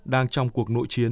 đang trong cuộc nội chiến